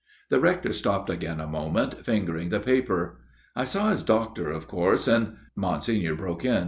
The Rector stopped again a moment, fingering the paper. " I saw his doctor, of course, and " Monsignor broke in.